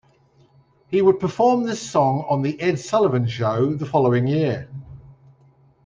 He would perform this song on The Ed Sullivan Show the following year.